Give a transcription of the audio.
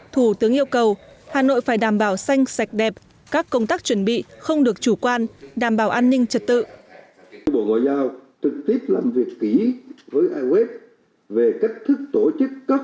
thủ tướng yêu cầu hà nội phải đảm bảo xanh sạch đẹp các công tác chuẩn bị không được chủ quan đảm bảo an ninh trật tự